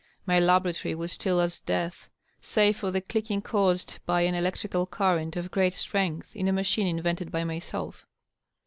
My laboratory was still as death, save for the clicking caused by an electrical current of great strength in a machine invented by myself.